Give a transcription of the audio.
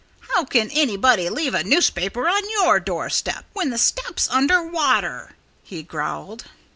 "How can anybody leave a newspaper on your doorstep, when the step's under water?" he growled.